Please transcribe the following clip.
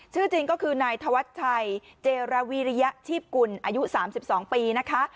ชื่อจริงก็คือนายธวัชชัยเจรวีริยชีพกุลอายุ๓๒ปีนะคะ